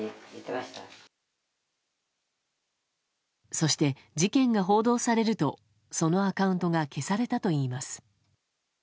そして、事件が報道されるとそのアカウントが消されたといいます。